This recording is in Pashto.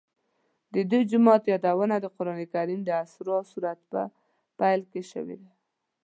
د دې جومات یادونه د قرآن کریم د اسراء سورت په پیل کې شوې.